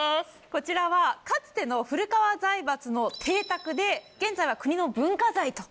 こちらはかつての古河財閥の邸宅で現在は国の文化財と。